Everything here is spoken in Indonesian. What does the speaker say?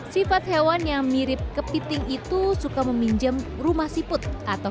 sifat hewan yang mirip kepiting itu suka meminjamkan kembang yang terlalu besar dan juga memiliki kembang yang sangat besar